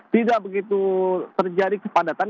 tidak begitu terjadi kepadatan